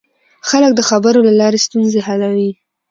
خلک د خبرو له لارې ستونزې حلوي